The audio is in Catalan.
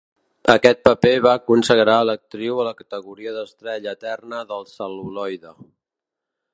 Aquest paper va consagrar l'actriu a la categoria d'estrella eterna del cel·luloide.